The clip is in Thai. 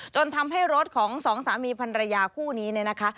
จนทำให้รถของสองสามีพันรยาคู่นี้เนี่ยนะคะ